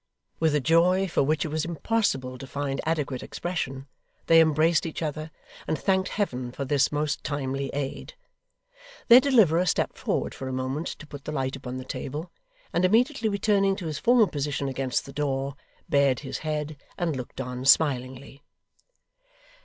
With a joy for which it was impossible to find adequate expression, they embraced each other, and thanked Heaven for this most timely aid. Their deliverer stepped forward for a moment to put the light upon the table, and immediately returning to his former position against the door, bared his head, and looked on smilingly.